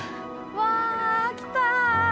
わあ来た！